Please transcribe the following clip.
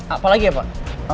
apa lagi ya pak